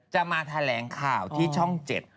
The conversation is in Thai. จะมาแถลงข่าวที่ช่อง๗